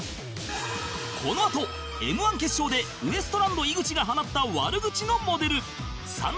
このあと Ｍ−１ 決勝でウエストランド井口が放った悪口のモデルさん